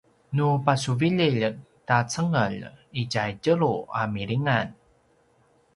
nu pasuvililj ta cengelj itja tjelu a milingan